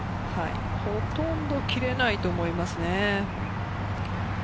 ほとんど切れないと思いますね。